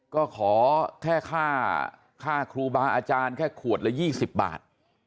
ก็ขอแค่ค่าค่าครูบ้าอาจารย์แค่ขวดละยี่สิบบาท